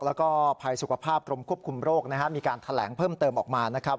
แล้วก็ภัยสุขภาพกรมควบคุมโรคมีการแถลงเพิ่มเติมออกมานะครับ